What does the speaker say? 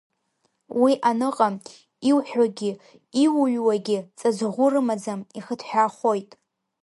Уи аныҟам, иуҳәогьы иуҩуагьы ҵаҵӷәы рымаӡам, ихыҭҳәаахоит.